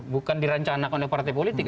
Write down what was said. bukan direncanakan oleh partai politik